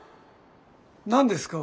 何ですか？